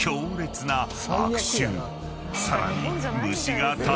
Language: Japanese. ［さらに］